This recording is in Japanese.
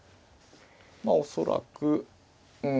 まあ恐らくうん。